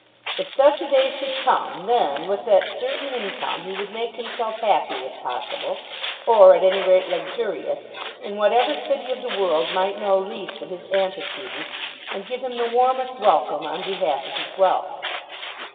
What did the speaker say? If such a day should come, then, with that certain income, he would make himself happy, if possible, or at any rate luxurious, in whatever city of the world might know least of his antecedents, and give him the warmest welcome on behalf of his wealth.